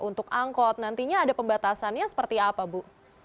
untuk angkot nantinya ada pembatasannya seperti apa bu